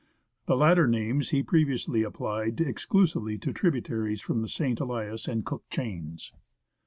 The latter names he previously applied exclusively to tributaries from the St. Elias and Cook chains.